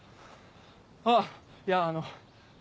あぁいやあの。